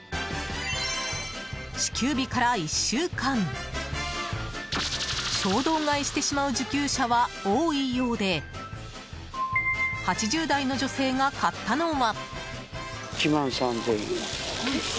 支給日から１週間衝動買いしてしまう受給者は多いようで８０代の女性が買ったのは。